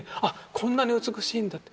こんなに美しいんだって。